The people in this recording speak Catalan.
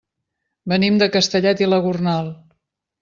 Venim de Castellet i la Gornal.